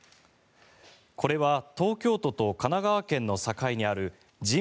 これは東京都と神奈川県の境にある陣